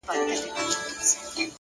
هوډ د سختو ورځو ملګری دی.!